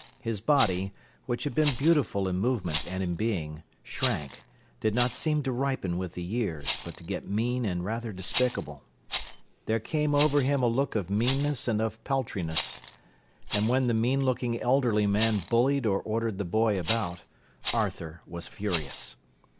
His body, which had been beautiful in movement and in being, shrank, did not seem to ripen with the years, but to get mean and rather despicable. There came over him a look of meanness and of paltriness. And when the mean looking elderly man bullied or ordered the boy about, Arthur was furious.